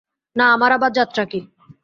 না, আমার আবার যাত্রা কী?